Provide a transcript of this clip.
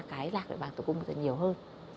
cái lạc để bằng tử cung nhiều hơn